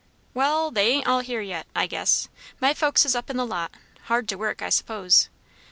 "Wall, they ain't all here yet, I guess; my folks is up in the lot, hard to work, I s'pose.